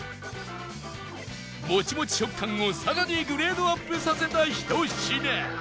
モチモチ食感をさらにグレードアップさせたひと品